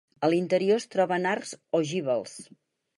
A l'interior es troben arcs ogivals.